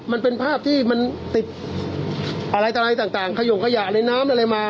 มันเป็นภาพที่มันติดอะไรต่ออะไรต่างขยงขยะในน้ำอะไรมา